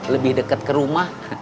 lebih deket ke rumah